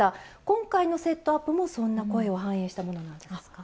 今回のセットアップもそんな声を反映したものなんですか？